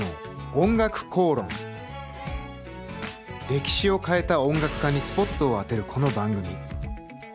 歴史を変えた音楽家にスポットを当てるこの番組。